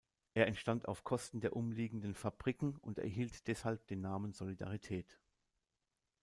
Er entstand auf Kosten der umliegenden Fabriken und erhielt deshalb den Namen "Solidarität".